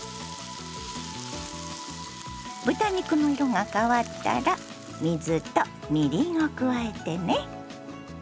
豚肉の色が変わったら水とみりんを加えてね。